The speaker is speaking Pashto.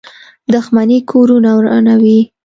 • دښمني کورونه ورانوي.